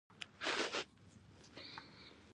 موږ باید له خپلو خلکو سره د ښه ژوند لپاره متحد شو.